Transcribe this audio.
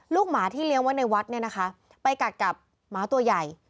ลูกหมาที่เลี้ยงไว้ในวัดไปกัดกับหมาตัวใหญ่